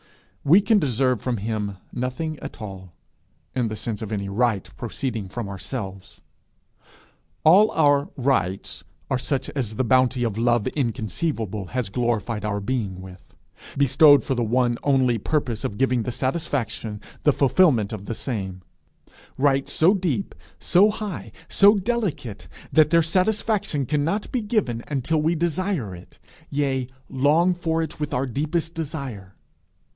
We can deserve from him nothing at all, in the sense of any right proceeding from ourselves. All our rights are such as the bounty of love inconceivable has glorified our being with bestowed for the one only purpose of giving the satisfaction, the fulfilment of the same rights so deep, so high, so delicate, that their satisfaction cannot be given until we desire it yea long for it with our deepest desire.